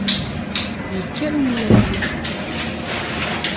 Yekker umulab i tlafsa!